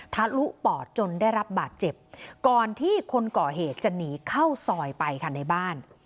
ทะลุปอดจนได้รับบาดเจ็บก่อนที่คนก่อเหตุจะหนีเข้าซอยไปค่ะในบ้าน